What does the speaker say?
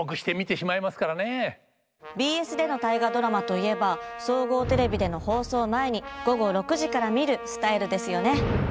ＢＳでの「大河ドラマ」といえば総合テレビでの放送前に午後６時から見るスタイルですよね。